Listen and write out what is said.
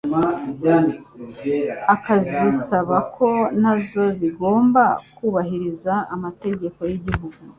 akazisaba ko na zo zigomba kubahiriza amategeko y'igihugu